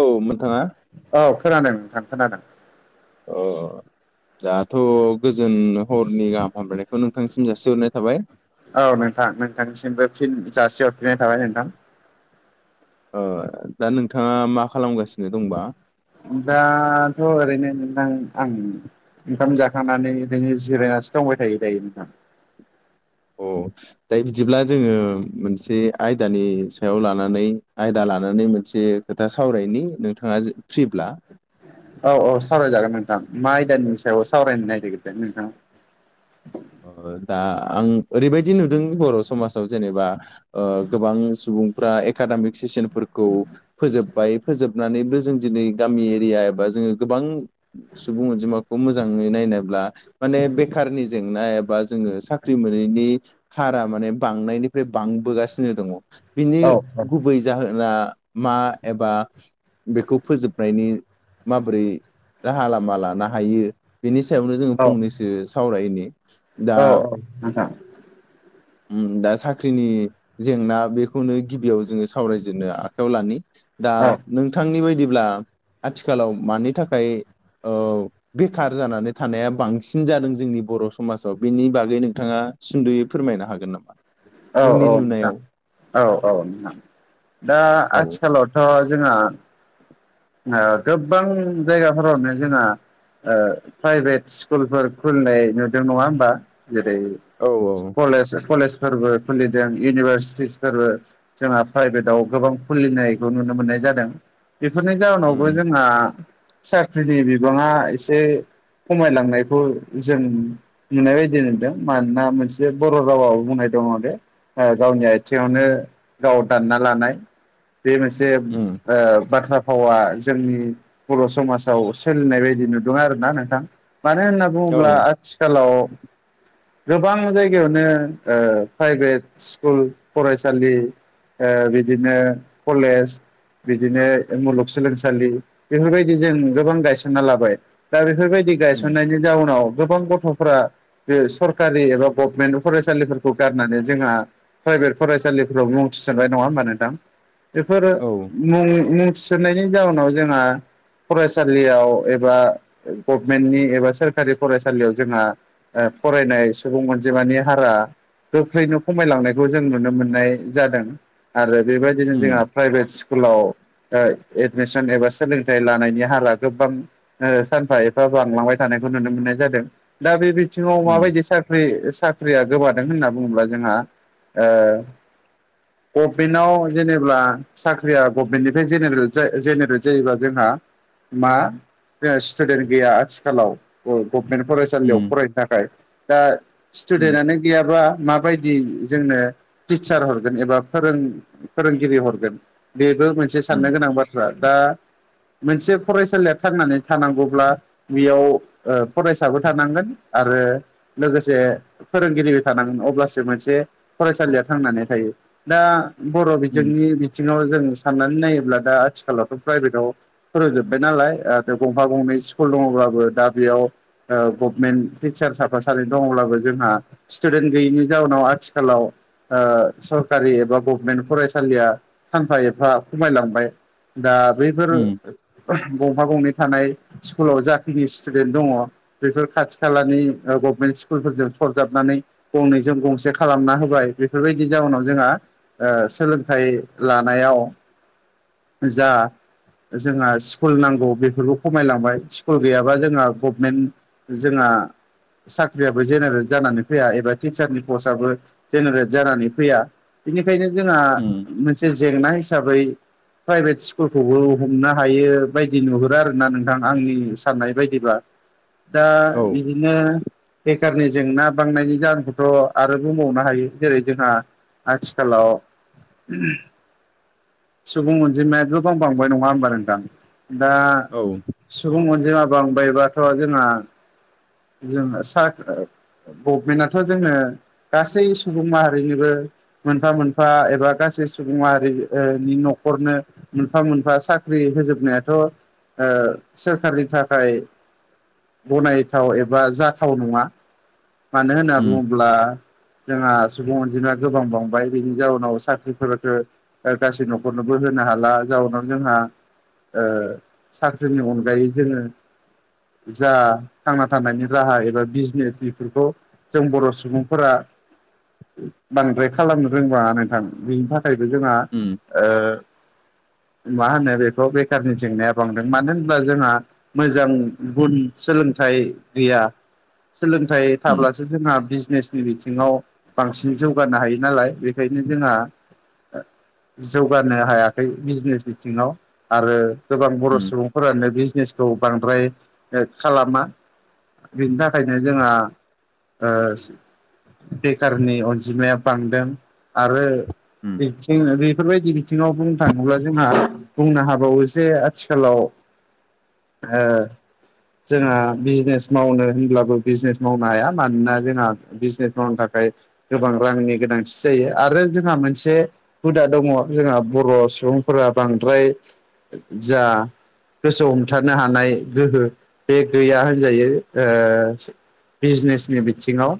औ नोंथाङा औ खोनादों नोंथां खोनादों अ दाथ' गोजोन हरनि गाहाम हामलायनायखौ नोंथांसिम जासिहरनाय थाबाय औ नोंथां नोंथांनिसिमबो फिन जासिहरफिननाय थाबाय नोंथां अ' दा नोंथाङा मा खालामगासिनो दंबा? दाथ' ओरैनो नोंथां आं ओंखाम जाखांनानै ओरैनो जिरायनानैसो दंबाय थायो दायो नोंथां औ दा बिदिब्ला जोङो मोनसे आयदानि सायाव लानानै आयदा लानानै मोनसे खोथा सावरायनि नोंथाङा फ्रिब्ला औ औ सावरायजागोन नोंथां मा आयदानि सायाव सावरायनो नागिरदों नोंथाङा दा आं ओरैबायदि नुदों बर' समाजाव जेनेबा ओ गोबां सुबुंफ्रा एकाडामिक सेसनफोरखौ फोजोबबाय फोजोबनानैबो जों दिनै गामि एरिया एबा जोङो गोबां सुबुं अनजिमाखौ मोजाङै नायनोब्ला माने बेखारनि जेंना एबा जोङो साख्रि मोनैनि हारा माने बांनायनि बे बांबोगासिनो दङ बिनि औ गुबै जाहोना मा एबा बेखौ फोजोबनायनि माबोरै राहा लामा लानो हायो बेनि सायावनो जोङो औ फंनैसो सावरायनि औ औ नोंथां ओम दा साख्रिनि जेंना बेखौनो गिबियाव जोङो सावरायजेननो आखायाव लानि दा औ नोंथांनि बायदिब्ला आथिखालाव मानि थाखाय थाखाय औ बेखार जानानै थानाया बांसिन जादों जोंनि बर' समाजाव बेनि बागै नोंथाङा सुद'यै फोरमायनो हागोन नामा? औ नोंनि औ नोथां नुनायाव औ औ नोंथां दा औ आथिखालाव ओ जोंहा ओ गोबां जायगाफोरावनो जोंहा ओ प्राइभेट स्कुलफोर खुलिनाय नुदों नङा होमबा जेरै औ औ कलेज कलेजफोरबो खुलिदों इउनिभारसिटिसफोरबो जोंहा प्राइभेटाव गोबां खुलिनायखौ नुनो मोननाय जादों बेफोरनि जाहोनावबो उम जोंहा साख्रिनि बिबाङा एसे खमायलांनायखौ जों बुंनाय बायदि नुदों मानोना मोनसे बर' रावाबो बुंनाय दङ दे गावनि आथिङावनो गाव दानना लानाय बे मोनसे उम बाथ्रा भावा जोंनि बर' समाजाव सोलिनाय बायदि नुदों आरोना नोंथां मानो होनना औ बुङोब्ला आथिखालाव गोबां जायगायावनो ओ प्राइभेट स्कुल फरायसालि बिदिनो कलेज बिदिनो मुलुगसोलोंसालि बेफोरबायदि जों गोबां गायसनना लाबाय। दा बेफोरबायदि उम गायसननायनि जाउनाव गोबां गथ'फोरा बे सरकारि एबा गभमेन्ट फरायसालिफोरखौ गारनानै जोंहा प्राइभेट फरायसालिफोराव मुं थिसननाय नङा होनबा नोंथां? बेफोर औ मुं मुं थिसन्नायनि जाउनाव जोंहा फरायसालियाव एबा गभमेन्टनि एबा सोरखारि फरायसालियाव जोंहा फरायनाय सुबुं मोनजे मानानि हारा गोख्रैनो खमायलांनायखौ जों नुनो मोननाय जादों आरो बेबायदिनो जोंहा उम प्राइभेट स्कुलाव एडमिसन एबा सोलोंथाइ लानायनि हाला गोबां सानफा एफा बांलांबाय थानायखौ नुनो मोननाय जादों। दा बे बिथिङाव उम माबायदि साख्रि साख्रिया गोमादों होनना बुङोब्ला जोंहा गभमेन्टआव जेनेबा साख्रिया गभमेन्टनिफ्राय जेनेर जेनेरेट जायोबा जोंहा मा स्टुडेन्ट गैया आथिखालाव। गभमेन्ट फरायसालियाव उम फरायनो थाखाय दा उम स्टुडेन्टनो गैयाबा माबायदि जोंनो टिचार हरगोन एबा फोरों फोरोंगिरि हरगोन बेबो मोनसे साननो उम गोनां बाथ्रा दा मोनसे फरायसालिया थांनानै थानांगौब्ला बेयाव फरायसाबो थानांगोन आरो लोगोसे फोरोंगिरिबो थानांगोन अ मोनसे फरायसालियाव थांनानै थायो दा बर' उम बिजोंनि बिथिङाव जों साननानै नायोब्ला दा आथिखालावथ' प्राइभेटाव फोरोंजोब्बाय नालाय आरो गंफा गंनै स्कुल दङब्लाबो दा बेयाव गभमेन्ट टिचार साफा सानै दङब्लाबो जोंहा स्टुडेन्ट गैयिनि जाउनाव आथिखालाव सरकारि एबा गभमेन्ट फरायसालिया सानफा एफा खमायलांबाय। दा बैफोर उम गंफा गंनै थानाय स्कुलाव जाखिनि स्टुडेन्ट दङ। बेफोर खाथि खालानि गभमेन्ट स्कुलफोरजों सरजाबनानै गंनै जों गंसे खालामना होबाय बेफोरबायदि जाउनाव जोंहा सोलोंथाइ लानायाव जा जोंहा स्कुल नांगौ बेफोरखौ खमायलांबाय स्कुल गैयाबा जोंहा गभमेन्ट जोंहा साख्रियाबो जेनेरेट जानानै फैया एबा टिचारनि पस्टआबो जेनेरेट जानानै फैया बेनिखायनो जोंहा उम मोनसे जेंना हिसाबै प्राइभेट स्कुलखौबो हमनो हायो बायदि नुहुरो आर ना नोंथां आंनि साननाय बायदिब्ला। दा औ बिदिनो बेखारनि जेंना बांनायनि द आंखौ थ' आरोबाव मावनो हायो जेरै जोंहा आथिखालाव सुबुं अनजिमाय' दं बांबाय नङा होनोमबा नोंथां दा औ। सुबुं अनजिमा बांबायबाथ' जोंना जों सात गभमेन्टआथ' जोङो गासै सुबुं माहारिनिबो मोनफा मोनफा एबा गासै सुबुं माहारिनो न'खरनो मोनफा मोनफा साख्रि होजोबनायाथ' सोरखारनि थाखाय गनायथाव एबा जाथाव नङा मानो होनना उम बुङोब्ला जोंहा सुबुं अनजिमाया गोबां बांबाय बिनि जाउनाव साख्रिफोरखौ गासै न'खरनोबो होनो हाला जाउनाव जोंहा साख्रिनि अनगायै जोङो जा थांना थानायनि राहा एबा बिजनेस बेफोरखौ जों बर' सुबुंफोरा बांद्राय खालामनो रोंबाङा नोंथां। बेनि थाखाय बेखौ जोंहा उम ओ मा होनो बेखौ बेखारनि जेंनाया बांदों मानो होनब्ला जोंहा मोजां गुन सोलोंथाइ गैया सोलोंथाइ उम थाब्लासो जोंहा बिजनेसनि बिथिङाव बांसिन जौगानो हायो नालाय बेखायनो जोंहा जौगानो हायाखै बिजनेस बिथिङाव आरो गोबां बर' सुबुं -फोरानो बिजनेसखौ बांद्राय खालामा। बिनि थाखायनो जोंहा ओ बेखारनि अनजिमाया बांदों आरो [unintelligible] उम बेफोरबायदि बिथिङाव बुंनो थाङोब्ला जोंहा बुंनो हाबावो जे आथिखालाव ओ जोंहा बिजनेस मावनो होनब्लाबो बिजनेस मावनो हाया। मानोना जोंना बिजनेस मावनो थाखाय गोबां रांनि गोनांथि जायो आरो जोंहा मोनसे हुदा दङ जोंहा बर' सुबुंफोरा बांद्राय जा गोसो हमथानो हानाय गोहो बे गैया होनजायो। ओ बिजनेसनि बिथिङाव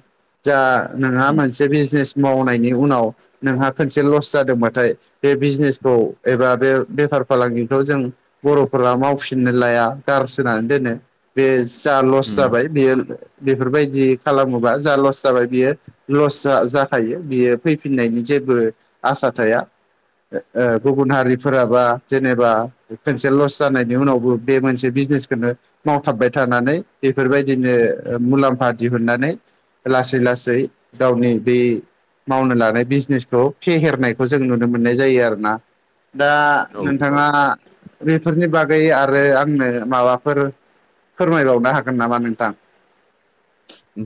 जा नोंहा उम मोनसे बिजनेस मावनायनि उनाव नोंहा खनसे लस जादोंबाथाय बे बिजनेसखौ एबा बे बेफार फालांगिखौ जों बर'फोरा मावफिननो लाया गारसोना दोनो। बे जा लस उम जाबाय बेयो बेफोरबायदि खालामोबा जा लस जाबाय बियो लस जा-जाखायो बियो फैफिननायनि जेबो आसा थाया। ओ गुबुन हारिफोराबा जेनेबा खनसे लस जानायनि उनावबो बे मोनसे बिजनेसखौनो मावथाबबाय थानानै बेफोरबायदिनो मुलाम्फा दिहुननानै लासै लासै गावनि बे मावनो लानाय बिजनेसखौ फेहेरनायखौ जों नुनो मोननाय जायो आरोना। दा दा औ औ नोंथाङा बेफोरनि बागै आरो आंनो माबाफोर फोरमायबावनो हागोन नामा नोंथां?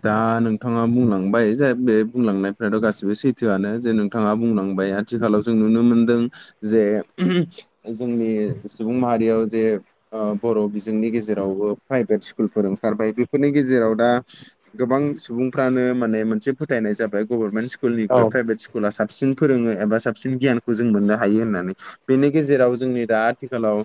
दा नोंथाङा बुंलांबाय जे बे बुंलांनायफ्राथ' गासिबो सैथोआनो जे नोंथाङा बुंलांबाय आथिखालाव जों नुनो मोनदों जे जोंनि सुबुं माहारियाव जे बर' बिजोंनि गेजेरावबो प्राइभेट स्कुलफोर ओंखारबाय बेफोरनि गेजेराव दा गोबां सुबुंफ्रानो माने मोनसे फोथायनाय जाबाय गभर्नमेन्ट औ स्कुलनिफ्राय प्राइभेट स्कुल स्कुला साबसिन फोरोङो एबा साबसिन गियानखौ जों मोननो हायो होन्नानै। बेनि गेजेराव जोंनि दा आथिखालाव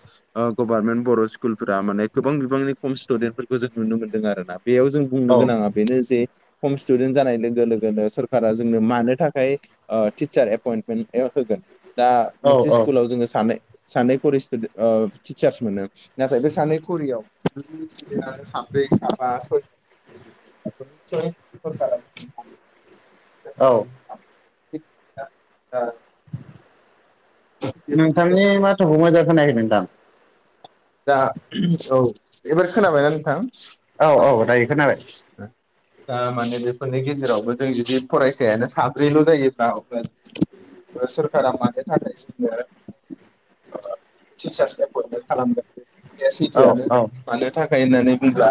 गभार्नमेन्ट बर' स्कुलफोरा माने गोबां बिबांनि खम स्टुदेन्टफोरखौ जों नुनो मोन्दों आरो ना बेयाव जों बुंनो औ गोनाङा बेनो जे खम स्टुदेन्ट जानाय लोगो लोगोनो सोरखारा जोंनो मानो थाखाय टिचार एपइन्टमेन्ट होगोन दा औ मोनसे औ स्कुलाव जोङो सानो सानै खरि स्टु- टिचार्स मोनो नाथाय बे सानै खरियाव साब्रै, साबा, सयजन [unintelligible] औ। [unintelligible] नोंथांनि माथोखौ मोजां खोनायाखै नोंथां। दा औ एबार खोनाबायना नोंथां? औ औ दायो खोनाबाय [unintelligible] दा माने बेफोरनि गेजेरावबो जों जुदि फरायसायानो साब्रैल' जायोब्ला [unintelligible] सोरखारा मानि थाखाय जोंनो टिर्चास एप्यनमेन्त खालामदों। बे औ सैथोआनो औ मानो थाखाय होननानै बुंङोब्ला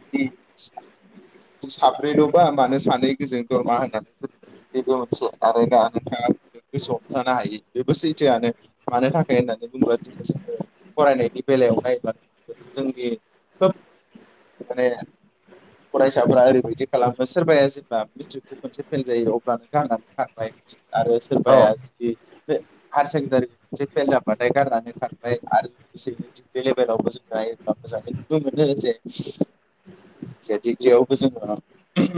बिदि [unintelligible] सााब्रैल'बा मानो सानै गोजों दरमा होननानै बेबो मोनसे आरो दा नोंथाङा गोसोआव जानो हायो बेबो सैथोआनो। मानो थाखाय होननानै बुंबा दिनै जोङो फरायनायनि बेलायावहाय बा जोंनि खोब माने फरायसाफोरा ओरैबायदि खालामो सोरबाया जेब्ला मेट्रिकखौ खनसे फेल जायो अब्लानो गारनानै खारबाय आरो सोरबाया औ जुदि बे हायार सेकेण्डारि खौ खनसे फेल जाबाथाय गारनानै खारबाय आरो सेकेण्डारि लेभेलावबो जों नायोब्ला मोजाङै नुनो मोनो जे जे डिग्रियावबो जोङो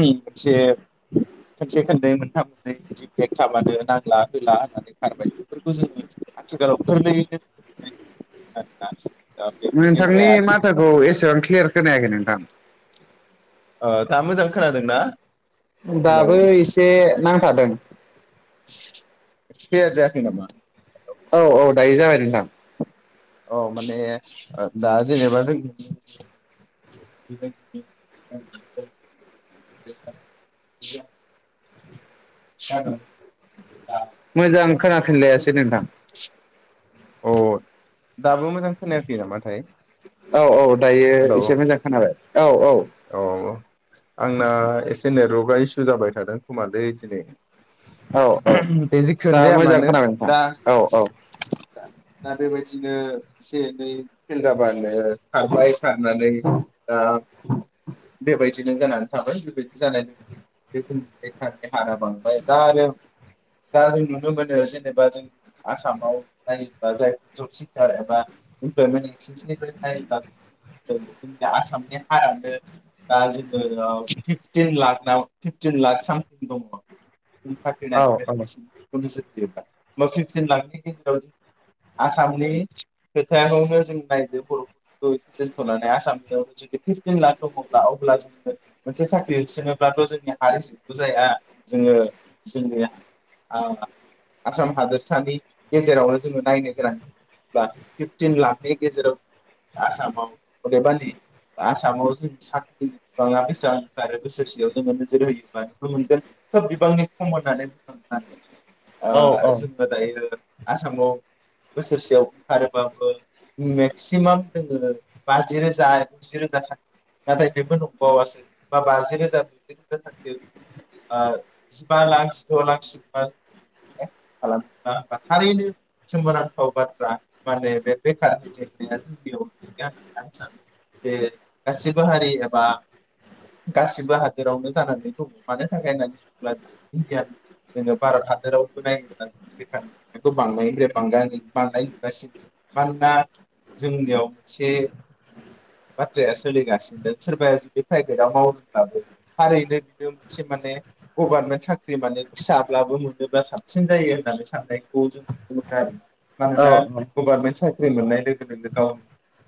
मोनसे [inaudible] खोनसे खोननै मोनफा मोननै बिदि बेग थाब्लानो नांला होला होनानै खारबाय बेफोरखौ जोङो आथिखालाव [unintelligible] [inaudible] [unintelligible] ओ बेफोरनि थाखाय [unintelligible] औ एसेबां क्लियार खोनायाखै नोंथां। ओ दा मोजां खोनादोंना? हेलौ दाबो एसे नांथादों। क्लियार जायाखै नामा? औ औ दायो जाबाय नोंथां। औ माने ओ दा जेनेबा जों [unintelligible] मोजां खोनाफिनलायासै नोंथां। अ दाबो मोजां खोनायाखै नामाथाय? औ औ दायो एसे मोजां खोनाबाय औ औ। अ आंना एसे नेटवर्कआ इसु जाबाय थादों खोमालै दिनै। औ औ दे दा जिखुनु जाया मोजां मानो खोनाबाय दा नोंथां औ औ। दा बेबायदिनो एसे एनै फेल जाबानो खारबाय खारनानै ओ बेबायदिनो जानानै थाबाय बेबायदि जानाय बे जोंनि बेखारनि हारा बांबाय दा आरो दा जों नुनो मोनो जेनेबा जों आसामाव नायबा जायफोर जब सिकार एबा इमप्लयमेन्ट एक्सेन्सनिफ्राय नायोब्ला जोंनि आसामनि हारानो दा जोङो ओ फिफटिन लाख ना फिफटिन लाख सामथिं दङ। उम साख्रि औ नागिरग्राया बांसिन। [unintelligible] फिफटिन लाखनि गेजेराव आसामनि खोथायावनो जों नायदो बर'फोरखौ एसे दोन्थ'नानै आसामनियावनो जुदि फिफटिन लाख दङ'ब्ला अब्ला जोङो मोनसे साख्रि थिस'नोब्लाथ' जोंनि हारिजोंथ' जाया जोङो जोंनि ओ आसाम हादोरसानि गेजेरावनो जोङो नायनो गोनां बा फिफटिन लाखनि गेजेराव आसामाव अदेबानि आसामाव जों साख्रि बिबाङा बेैसेबां ओंखारो बोसोरसेयाव जोङो नोजोर होयोबा नुनो मोनगोन खोब बिबांनि खम होननानै बुंनांगोन औ औ आरो औ ओ जों ओ दायो आसामाव बोसोरसेयाव ओंखारोबाबो मेक्सिमाम जोङो बाजि रोजा गुजि रोजा सा नाथाय बेबो नंबावासो बा बाजि रोजा द'जि रोजा थांदो। ओ जिबा लाख जिद' लाख सिम बा खालामा होनबा थारैनो सोमोनांथाव बाथ्रा माने बे बेखारनि जेंनाया जोंनियाव गामि ओनसोल बे गासिबो हारि एबा गासिबो हादोरावनो जानानै दङ मानो थाखाय होननानै बुङोब्ला इण्डियानि जोङो भारत हादरावबो नायोब्ला बेखारखौ बांनायनिफ्राय बां-बांनाय नुगासिनो। मानोना जोंनियाव मोनसे बाथ्राया सोलिगासिनो सोरबाया जुदि प्राइभेटआव मावोब्लाबो थारैनो बिबो मोनसे माने गभारमेन्ट साख्रि माने फिसाब्लाबो मोनोब्ला साबसिन जायो होननानै साननायखौ जों मोनो आरो मानोना औ गभारमेन्ट साख ख्रि मोननाय लोगो लोगो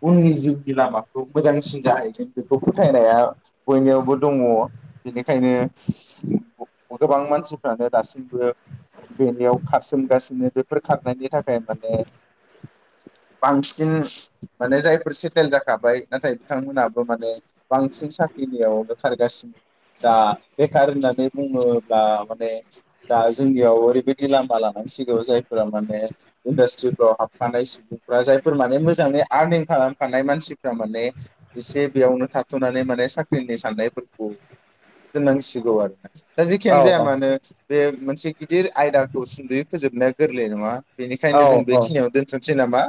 [unintelligible] उननि जिउनि लामाखौ मोजांसिन जाहैदों बेखौ फोथायनाया बयनियावबो दङ बेनिखायनो गोबां मानसिफ्रानो दासिमबो बेनियाव खारसोमगासिनो बेफोर खारनायनि थाखाय माने बांसिन माने जायफोर सेटेल जाखाबाय नाथाय बिथांमोना बो माने बांसिन साख्रिनियावनो खारगासिनो दा बेखार होननानै बुङोब्ला माने दा जोंनियाव ओरैबायदि लामा लानांसिगौ जायफोरा माने इन्डास्ट्रिफ्राव हाबफानाय सुबुंफ्रा जायफोर माने मोजाङै आर्निं खालामफानाय मानसिफ्रा माने इसे बेयावनो थाथ'नानै माने साख्रिनि साननायफोरखौ दोननांसिगौ आरो ना दा जेखियानो जाया मानो बे मोनसे गिदिर आयदाखौ सुंद'यै फोजोबनाया गोरलै नङा। बेनिखायनो औ जों औ औ बेखिनियाव दोनथ'नोसै नामा?